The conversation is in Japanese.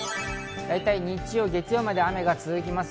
日曜、月曜まで雨が続きます。